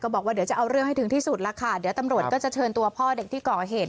บอกว่าเดี๋ยวจะเอาเรื่องให้ถึงที่สุดแล้วค่ะเดี๋ยวตำรวจก็จะเชิญตัวพ่อเด็กที่ก่อเหตุ